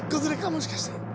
もしかして。